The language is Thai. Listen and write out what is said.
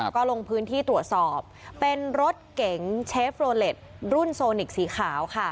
ก็ลงพื้นที่ตรวจสอบเป็นรถเก๋งเชฟโลเล็ตรุ่นโซนิกสีขาวค่ะ